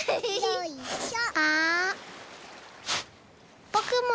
よいしょ。